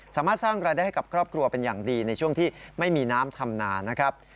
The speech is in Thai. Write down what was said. สร้างรายได้ให้กับครอบครัวเป็นอย่างดีในช่วงที่ไม่มีน้ำทำนานะครับ